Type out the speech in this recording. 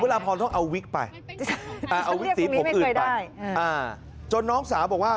ราพรต้องเอาวิกไปเอาวิกสีผมอื่นไปจนน้องสาวบอกว่า